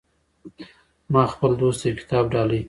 ما خپل دوست ته یو کتاب ډالۍ کړو